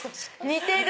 似てる！